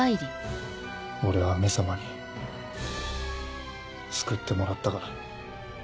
俺は「め様」に救ってもらったから。